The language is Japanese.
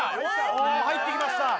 入って来ました。